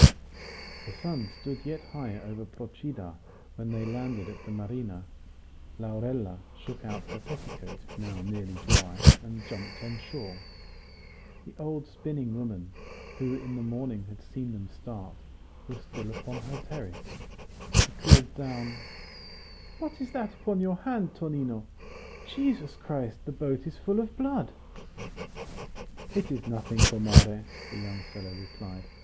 The sun stood yet high over Procida when they landed at the marina. Laurella shook out her petticoat, now nearly dry, and jumped on shore. The old spinning woman, who in the morning had seen them start, was still upon her terrace. She called down, "What is that upon your hand, Tonino? Jesus Christ! the boat is full of blood!" "It is nothing, comare," the young fellow replied.